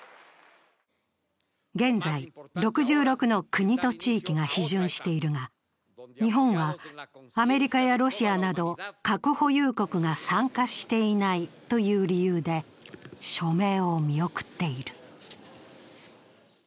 現在、６６の国と地域が批准しているが、日本は、アメリカやロシアなど核保有国が参加していないという理由で署名を見送っている。